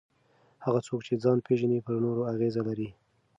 هغه څوک چې ځان پېژني پر نورو اغېزه لري.